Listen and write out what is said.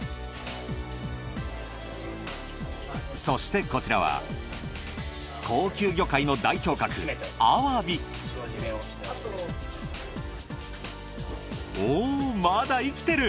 そしてこちらは高級魚介の代表格おぉまだ生きてる。